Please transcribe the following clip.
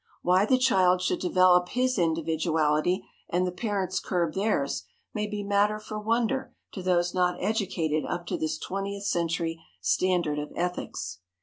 Why the child should develop his individuality, and the parents curb theirs, may be matter for wonder to those not educated up to this twentieth century standard of ethics.